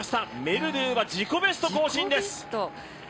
メルドゥは自己ベスト更新です。